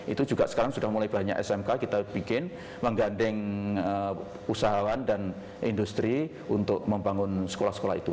itu juga sekarang sudah mulai banyak smk kita bikin menggandeng usahawan dan industri untuk membangun sekolah sekolah itu